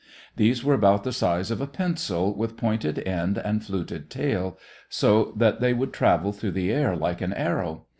These were about the size of a pencil, with pointed end and fluted tail, so that they would travel through the air like an arrow.